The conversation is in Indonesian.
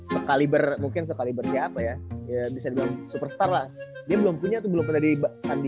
sekaliber mungkin sekaliber siapa ya bisa dibilang superstar lah dia belum punya atau belum pernah di